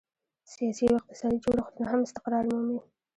سیاسي او اقتصادي جوړښتونه هم استقرار مومي.